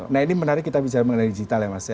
nah ini menarik kita bicara mengenai digital ya mas ya